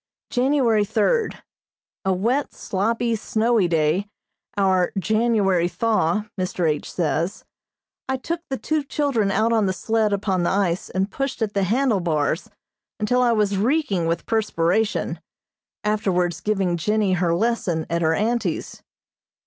January third: A wet, sloppy, snowy day, our "January thaw," Mr. H. says. I took the two children out on the sled upon the ice and pushed at the handle bars until I was reeking with perspiration, afterwards giving Jennie her lesson at her auntie's.